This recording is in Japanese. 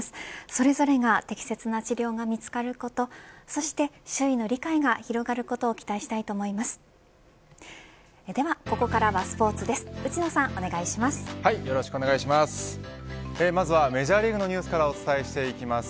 それぞれが適切な治療が見つかること、そして周囲の理解が広がることを期待したいと思います。